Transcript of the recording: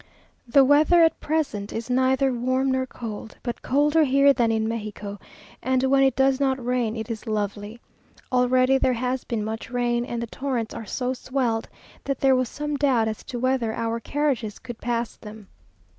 The weather at present is neither warm nor cold, but colder here than in Mexico, and when it does not rain it is lovely. Already there has been much rain, and the torrents are so swelled, that there was some doubt as to whether our carriages could pass them.